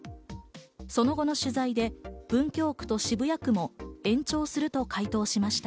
その後の取材で文京区と渋谷区も延長すると回答しました。